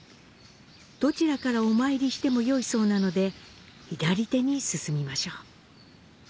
どちらからお参りしてもよいそうなので、左手に進みましょう。